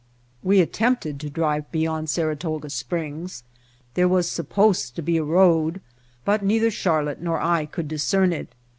We attempted to drive beyond Saratoga Springs. There was supposed to be a road, but neither Charlotte nor I could discern it.